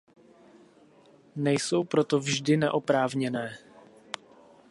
Nejsou proto vždy neoprávněné.